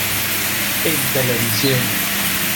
En televisión